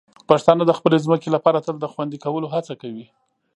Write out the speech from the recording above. پښتانه د خپلې ځمکې لپاره تل د خوندي کولو هڅه کوي.